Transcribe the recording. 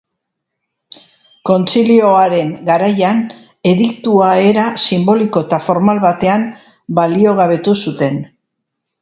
Kontzilioaren garaian, ediktua era sinboliko eta formal batean baliogabetu zuten.